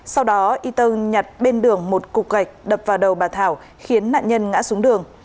sau đó ito nhặt bên đường một cục gạch đập vào đầu bà thảo khiến nạn nhân ngã xuống đường